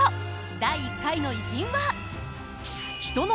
第１回の偉人は。